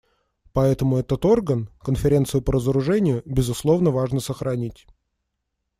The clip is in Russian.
Поэтому этот орган, Конференцию по разоружению, безусловно, важно сохранить.